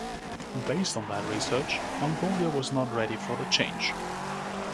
Based on that research, Mongolia was not ready for the change.